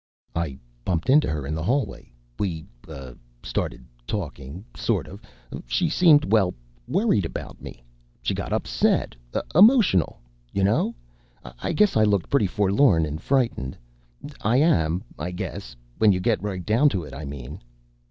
"I bumped into her in the hallway. We, uh, started talking ... sort of. She seemed, well ... worried about me. She got upset. Emotional. You know? I guess I looked pretty forlorn and frightened. I am ... I guess. When you get right down to it, I mean."